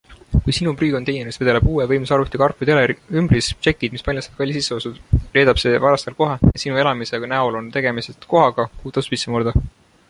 Kui sinu prügikonteineris vedeleb uue võimsa arvuti karp või teleriümbris, tšekid, mis paljastavad kallid sisseostud, reedab see varastele kohe, et sinu elamise näol on tegemist kohaga, kuhu tasub sisse murda.